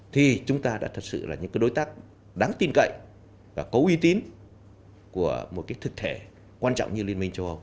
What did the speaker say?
thì chúng ta đã thật sự là những đối tác đáng tin cậy và có uy tín của một thực thể quan trọng như liên minh châu âu